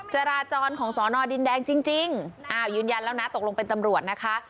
จราจรของสอนอดินแดงจริงอ้าวยืนยันแล้วนะตกลงเป็นตำรวจนะคะ